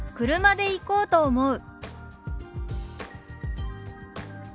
「車で行こうと思う」。